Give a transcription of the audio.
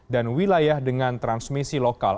dan wilayah dengan transmisi lokal